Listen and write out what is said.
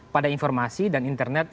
pada informasi dan internet